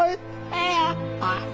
ああ。